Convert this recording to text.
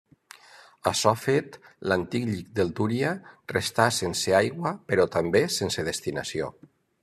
Açò fet, l'antic llit del Túria restà sense aigua però també sense destinació.